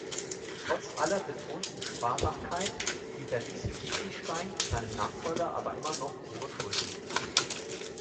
Trotz aller betonten Sparsamkeit hinterließ Dietrichstein seinem Nachfolger aber immer noch hohe Schulden.